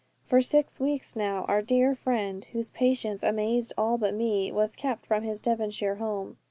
For six weeks now our dear friend, whose patience amazed all but me, was kept from his Devonshire home.